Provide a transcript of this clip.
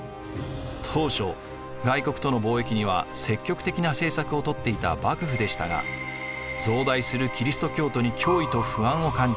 当初外国との貿易には積極的な政策をとっていた幕府でしたが増大するキリスト教徒に脅威と不安を感じ